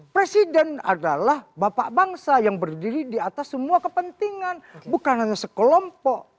presiden adalah bapak bangsa yang berdiri di atas semua kepentingan bukan hanya sekelompok